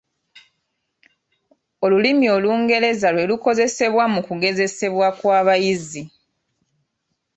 Olulimi Olungereza lwerukozesebwa mu kugezesebwa kw'abayizi.